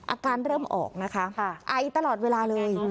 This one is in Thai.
อาการเริ่มออกนะคะไอตลอดเวลาเลย